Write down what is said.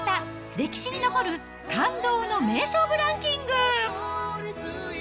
歴史に残る感動の名勝負ランキング。